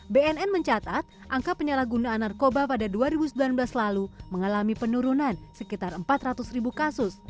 bnn mencatat angka penyalahgunaan narkoba pada dua ribu sembilan belas lalu mengalami penurunan sekitar empat ratus ribu kasus